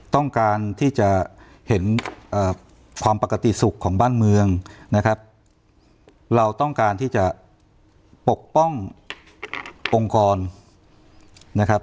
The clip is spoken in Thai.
ต้องการที่จะเห็นความปกติสุขของบ้านเมืองนะครับเราต้องการที่จะปกป้ององค์กรนะครับ